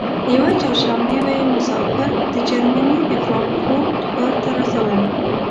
یوه چهارشنبه به یې مسافر د جرمني فرانکفورت ښار ته رسول.